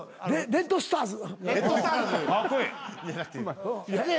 レッドスターズ。